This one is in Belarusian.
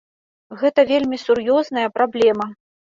Гэта вельмі сур'ёзная праблема.